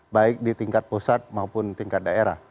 baik di tingkat pusat maupun tingkat daerah